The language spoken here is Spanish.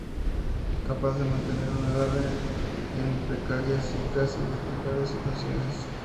Capaz de mantener un agarre en precarias y casi verticales situaciones.